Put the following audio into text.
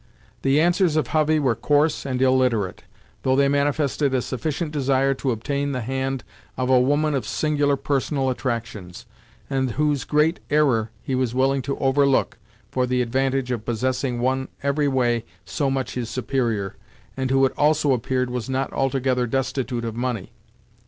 The answers of Hovey were coarse and illiterate, though they manifested a sufficient desire to obtain the hand of a woman of singular personal attractions, and whose great error he was willing to overlook for the advantage of possessing one every way so much his superior, and who it also appeared was not altogether destitute of money.